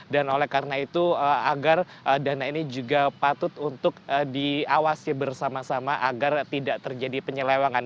dan karena itu agar dana ini juga patut untuk diawasi bersama sama agar tidak terjadi penyelewangan